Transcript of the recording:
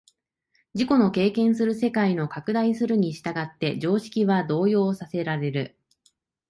自己の経験する世界の拡大するに従って常識は動揺させられる。